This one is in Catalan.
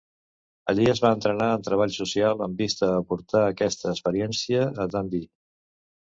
Allí es va entrenar en treball social, amb vista a portar aquesta experiència a Dundee.